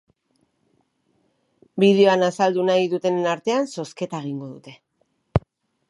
Bideoan azaldu nahi dutenen artean zozketa egingo dute.